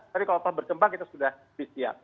tapi kalau berkembang kita sudah siap